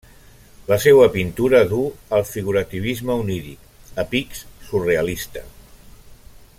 La seua pintura du el figurativisme oníric, a pics surrealista.